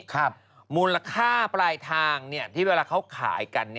มูลค่าปลายทางที่เวลาเขาขายกัน